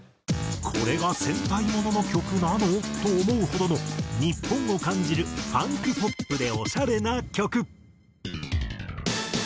「これが戦隊モノの曲なの！？」と思うほどの日本を感じるファンクポップでオシャレな曲。